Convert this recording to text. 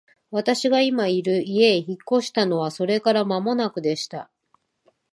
私が今居る家へ引っ越したのはそれから間もなくでした。